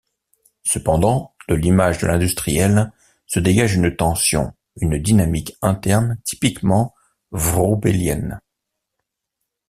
Cependant, de l'image de l'industriel, se dégage une tension, une dynamique interne typiquement vroubelienne.